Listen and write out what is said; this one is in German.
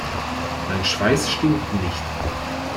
Mein Schweiß stinkt nicht.